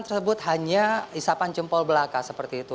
tersebut hanya isapan jempol belaka seperti itu